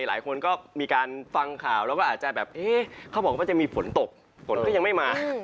หลายคนก็มีการฟังข่าวแล้วก็อาจจะแบบเอ๊ะเขาบอกว่ามันจะมีฝนตกฝนก็ยังไม่มา